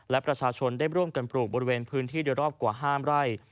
และประชาชนได้ร่วมกันปลูกบริเวณพื้นที่โดยรอบกว่า๕ไร่